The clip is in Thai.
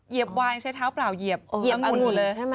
เหยียบวายใช้เท้าเปล่าเหยียบองุ่นกูเลย